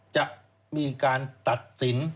จะมีการตัดสิน